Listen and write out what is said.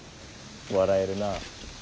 笑えるな。